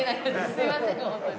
すいませんホントに。